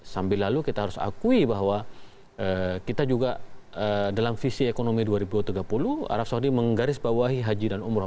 sambil lalu kita harus akui bahwa kita juga dalam visi ekonomi dua ribu tiga puluh arab saudi menggarisbawahi haji dan umroh